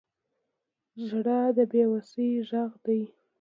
• ژړا د بې وسۍ غږ دی.